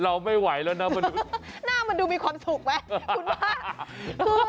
เราไม่ไหวแล้วนะหน้ามันดูมีความสุขไหมคุณว่า